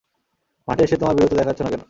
মাঠে এসে তোমার বীরত্ব দেখাচ্ছ না কেন?